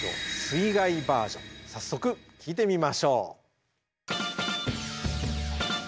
早速聴いてみましょう。